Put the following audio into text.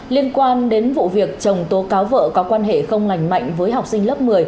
liên quan đến vụ việc chồng tố cáo vợ có quan hệ không lành mạnh với học sinh lớp một mươi